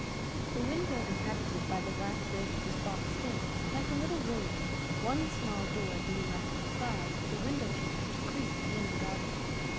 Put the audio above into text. The window inhabited by the wax lady was boxed in, like a little room, one small door being left at the side for the window trimmer to creep in and out of.